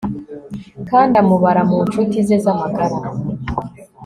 kandi amubara mu ncuti ze z'amagara